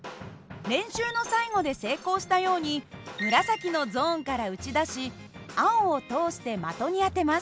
練習の最後で成功したように紫のゾーンから撃ち出し青を通して的に当てます。